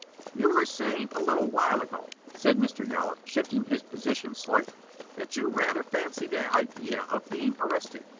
"You were saying a little while ago," said Mr. Yollop, shifting his position slightly, "that you rather fancy the idea of being arrested.